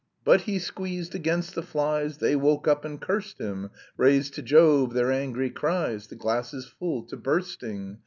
"But he squeezed against the flies, They woke up and cursed him, Raised to Jove their angry cries; 'The glass is full to bursting!'